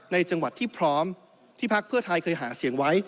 ในจังหวัดที่พร้อมที่พักเพื่อไทยเคยหาเสียงไว้